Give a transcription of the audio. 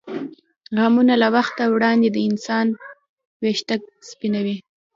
غمونه له وخته وړاندې د انسان وېښته سپینوي.